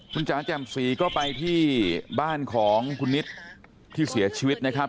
คุณจ๋าแจ่มสีก็ไปที่บ้านของคุณนิดที่เสียชีวิตนะครับ